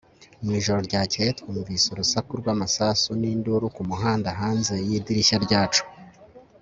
Mu ijoro ryakeye twumvise urusaku rwamasasu ninduru ku muhanda hanze yidirishya ryacu